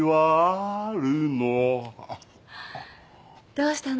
どうしたの？